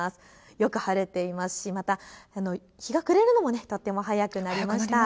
よく晴れていますし、また日が暮れるのもとても早くなりました。